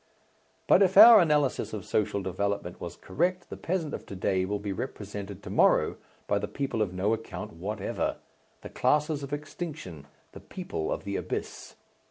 But if our analysis of social development was correct the peasant of to day will be represented to morrow by the people of no account whatever, the classes of extinction, the People of the Abyss.